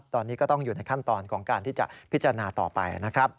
ตอนนี้ก็ต้องอยู่ในขั้นตอนของการที่จะพิจารณาต่อไปนะครับ